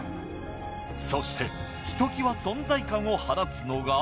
そして一際存在感を放つのが。